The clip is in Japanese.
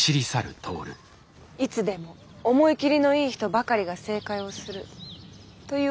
いつでも思い切りのいい人ばかりが正解をするというわけではありません。